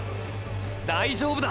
大丈夫だ！！